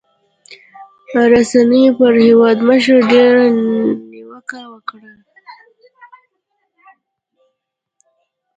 رسنيو پر هېوادمشر ډېرې نیوکې وکړې.